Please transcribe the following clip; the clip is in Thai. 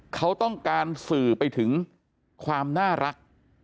เขาต้องการสื่อไปถึงความน่ารัก